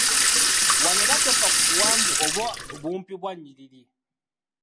Wano era tofa ku buwanvu oba bumpi bwa nnyiriri.